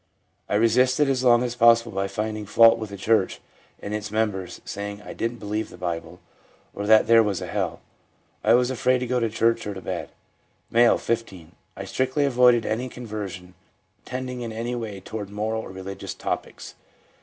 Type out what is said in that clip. ' I resisted as long as possible by finding fault with the church and its members, saying I didn't believe the Bible, or that there was a hell. I was afraid to go to church or to bed.' M., 15. * I strictly avoided any conversation tending in any way toward moral or religious topics.